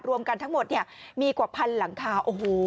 รวมกันทั้งหมดเนี่ยมีกว่าพันหลังคาโอ้โห